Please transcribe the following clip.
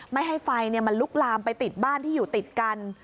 ไม่ให้ไฟมันลุกลามไปติดบ้านที่อยู่ติดกัน